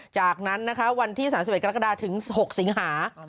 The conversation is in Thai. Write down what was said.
จากนั้นนะคะวันที่๓๑กรกฎาถึง๖สิงหา